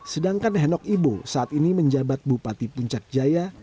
sedangkan henok ibo saat ini menjabat bupati puncak jaya